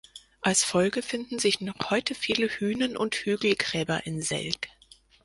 Als Folge finden sich noch heute viele Hünen- und Hügelgräber in Selk.